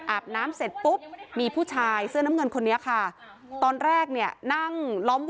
อ่ะน้ำปลาเนี้ยเอามาให้ดูเนี้ยอ่ะอ่ะมีสองอย่างอ่ะ